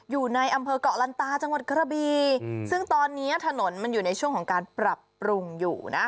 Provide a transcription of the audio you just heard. อยู่ในอำเภอกเกาะลันตาจังหวัดกระบีซึ่งตอนนี้ถนนมันอยู่ในช่วงของการปรับปรุงอยู่นะ